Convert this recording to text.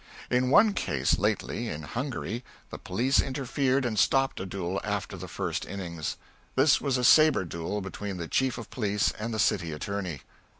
In one case, lately, in Hungary, the police interfered and stopped a duel after the first innings. This was a sabre duel between the chief of police and the city attorney.